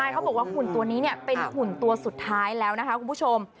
เขาบอกว่าหุ่นตัวนี้เป็นหุ่นตัวสุดท้ายแล้วนะคะคุณผู้ชม